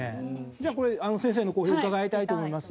じゃあこれ先生の講評伺いたいと思います。